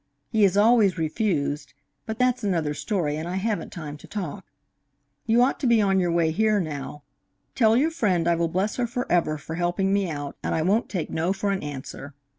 He has always refused but that's another story, and I haven't time to talk. You ought to be on your way here now. Tell your friend I will bless her forever for helping me out, and I won't take no for an answer.